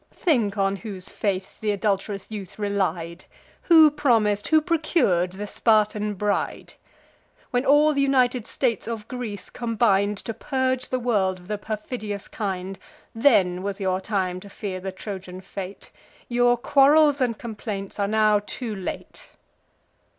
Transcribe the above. Think on whose faith th' adult'rous youth relied; Who promis'd, who procur'd, the Spartan bride? When all th' united states of Greece combin'd, To purge the world of the perfidious kind, Then was your time to fear the Trojan fate: Your quarrels and complaints are now too late."